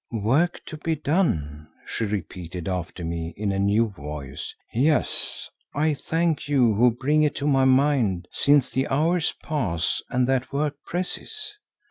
"Work to be done," she repeated after me in a new voice. "Yes, I thank you who bring it to my mind, since the hours pass and that work presses.